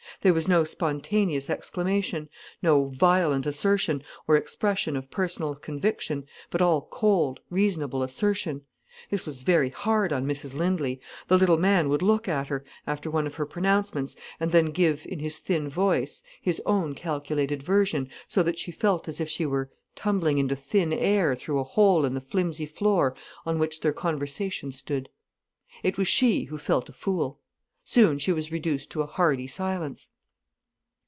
There was no spontaneous exclamation, no violent assertion or expression of personal conviction, but all cold, reasonable assertion. This was very hard on Mrs Lindley. The little man would look at her, after one of her pronouncements, and then give, in his thin voice, his own calculated version, so that she felt as if she were tumbling into thin air through a hole in the flimsy floor on which their conversation stood. It was she who felt a fool. Soon she was reduced to a hardy silence.